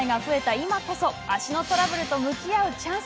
今こそ足トラブルと向き合うチャンス。